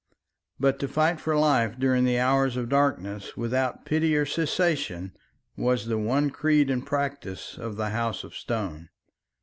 But to fight for life during the hours of darkness without pity or cessation was the one creed and practice of the House of Stone.